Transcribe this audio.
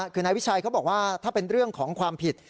คือนายวิชัยเขาบอกว่าถ้าเป็นเรื่องของความผิด